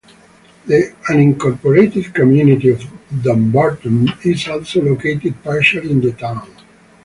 The unincorporated community of Dunbarton is also located partially in the town.